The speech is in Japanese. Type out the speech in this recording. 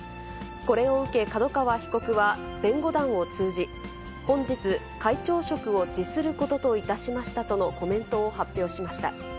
これを受け、角川被告は弁護団を通じ、本日、会長職を辞することといたしましたとのコメントを発表しました。